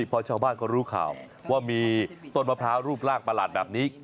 พอชาวบ้านเขารู้ข่าวว่ามีต้นมะพร้าวรูปร่างประหลาดแบบนี้